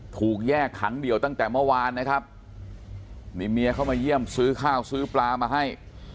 ถูกแยกขังเดี่ยวตั้งแต่เมื่อวานนะครับมีเมียเข้ามาเยี่ยมซื้อข้าวซื้อปลามาให้